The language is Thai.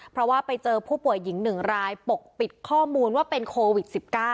เพราะว่าไปเจอผู้ป่วยหญิง๑รายปกปิดข้อมูลว่าเป็นโควิด๑๙